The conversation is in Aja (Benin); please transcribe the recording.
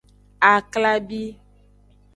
Aklabi.